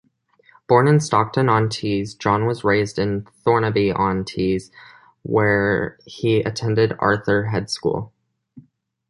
Born in Stockton-on-Tees, John was raised in Thornaby-on-Tees where he attended Arthur Head School.